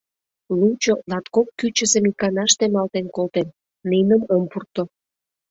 — Лучо латкок кӱчызым иканаште малтен колтем, ниным ом пурто!